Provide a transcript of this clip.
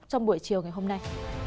trong buổi chiều ngày hôm nay